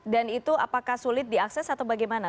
dan itu apakah sulit diakses atau bagaimana